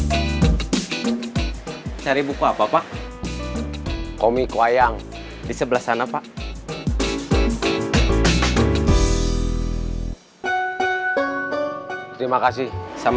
hai hai atau dua iya cari buku apa pak komik wayang di sebelah sana pak terima kasih sama sama